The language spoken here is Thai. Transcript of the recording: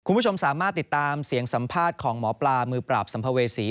คุณผู้ชมสามารถติดตามเสียงสัมภาษณ์ของหมอปลามือปราบสัมภเวษี